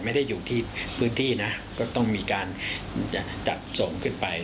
ไม่ได้อยู่ที่พื้นที่นะก็ต้องมีการจัดส่งขึ้นไป